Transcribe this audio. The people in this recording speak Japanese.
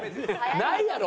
ないやろ！